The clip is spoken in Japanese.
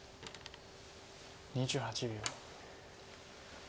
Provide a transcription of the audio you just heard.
２８秒。